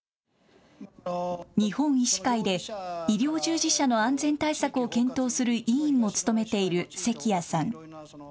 日本医師会で医療従事者の安全対策を検討する委員も務めている関谷さん。